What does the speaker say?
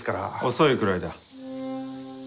遅いくらいだ。